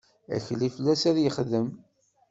Akli fell-as ad yexdem.